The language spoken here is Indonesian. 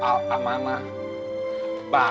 tidak ada yang lebih baik dari soal amanah